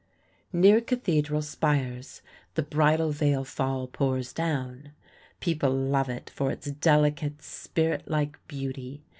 Near Cathedral Spires, the Bridal Veil Fall pours down. People love it for its delicate, spirit like beauty.